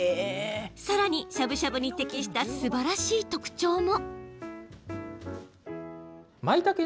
さらに、しゃぶしゃぶに適したすばらしい特徴も。